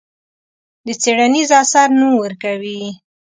د څېړنیز اثر نوم ورکوي.